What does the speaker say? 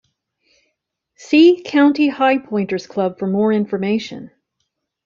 See County Highpointers Club for more information.